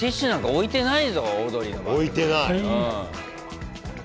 置いてない。